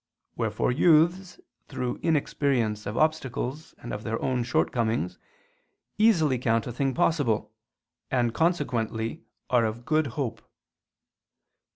Wherefore youths, through inexperience of obstacles and of their own shortcomings, easily count a thing possible; and consequently are of good hope.